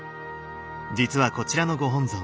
実はこちらのご本尊